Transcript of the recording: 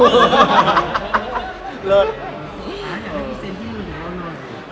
เลิศ